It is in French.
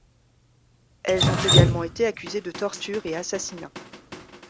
Elles ont également été accusées de tortures et assassinats.